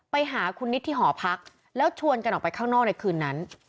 ไปหาคุณนิดที่หอพักแล้วชวนกันออกไปข้างนอกในคืนนั้น